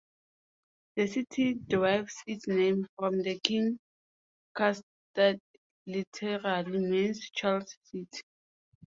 The city derives its name from the King - Karlstad literally means "Charles' city".